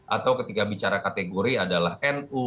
atau ketika bicara kategori adalah nu